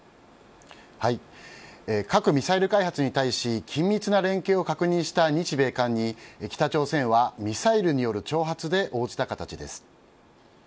核・ミサイル開発に対し緊密な連携を確認した日米韓に北朝鮮はミサイルによる挑発で応じた形です。